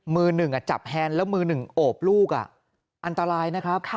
มือหนึ่งจับแฮนด์แล้วมือหนึ่งโอบลูกอันตรายนะครับ